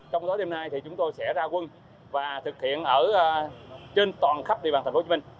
trong tối đêm nay thì chúng tôi sẽ ra quân và thực hiện ở trên toàn khắp địa bàn thành phố hồ chí minh